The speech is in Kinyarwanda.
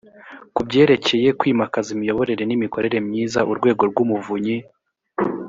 ku byerekeye kwimakaza imiyoborere n imikorere myiza urwego rw umuvunyi